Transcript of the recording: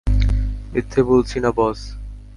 মিথ্যে বলছি না বস!